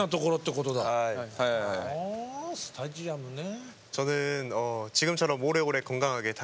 ほぉスタジアムね。